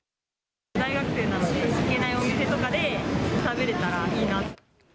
大学生なので、行けないお店とかで食べれたらいいなと。